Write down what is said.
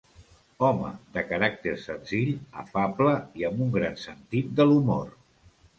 Home de caràcter senzill, afable i amb un gran sentit de l'humor.